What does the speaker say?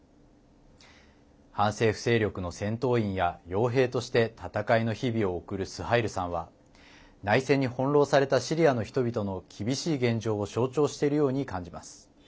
反政府勢力の戦闘員やよう兵として戦いの日々を送るスハイルさんは内戦に翻弄されたシリアの人々の厳しい現状を象徴しているように感じます。